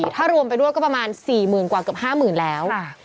ถ้ารวมไปด้วยก็ประมาณ๔๐๐๐กว่าเกือบ๕๐๐๐แล้ว